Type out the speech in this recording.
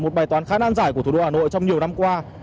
một bài toán khá nan giải của thủ đô hà nội trong nhiều năm qua